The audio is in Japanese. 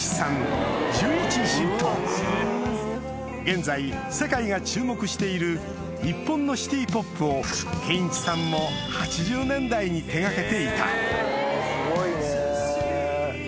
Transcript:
現在世界が注目している日本のシティ・ポップを健一さんも８０年代に手掛けていたすごいね。